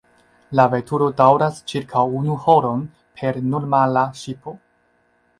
La veturo daŭras ĉirkaŭ unu horon per normala ŝipo.